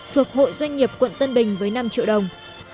thuộc hội doanh nghiệp quận tân bình với năm triệu đồng